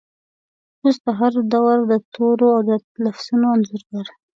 اوس د هردور دتورو ،اودلفظونو انځورګر،